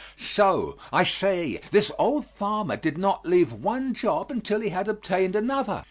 So I say this old farmer did not leave one job until he had obtained another.